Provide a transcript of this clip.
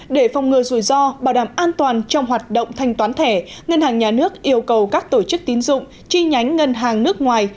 để phòng ngừa rủi ro bảo đảm an toàn trong hoạt động thanh toán thẻ ngân hàng nhà nước yêu cầu các tổ chức tín dụng chi nhánh ngân hàng nước ngoài